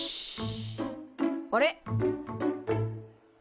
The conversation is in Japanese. あれ？